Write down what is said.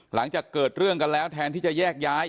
หลังจากเกิดเรื่องกันแล้วแทนที่จะแยกย้าย